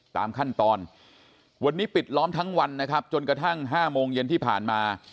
ตามขั้นตอนวันนี้ปิดล้อมทั้งวันนะครับจนกระทั่ง๕โมงเย็นที่ผ่านมา